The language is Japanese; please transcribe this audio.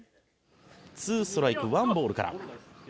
「２ストライク１ボールから」